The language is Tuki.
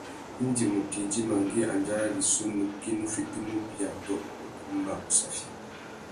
Indi mutu idjima ngüi andjara rissú, nukí nù fitimú ubia tô ukumba wussafia.